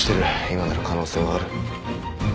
今なら可能性はある。